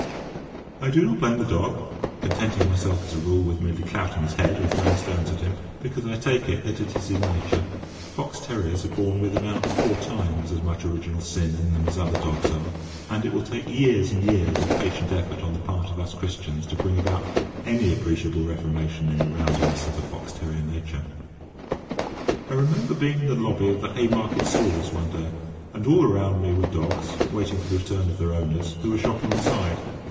I do not blame the dog (contenting myself, as a rule, with merely clouting his head or throwing stones at him), because I take it that it is his nature. Fox terriers are born with about four times as much original sin in them as other dogs are, and it will take years and years of patient effort on the part of us Christians to bring about any appreciable reformation in the rowdiness of the fox terrier nature. I remember being in the lobby of the Haymarket Stores one day, and all round about me were dogs, waiting for the return of their owners, who were shopping inside.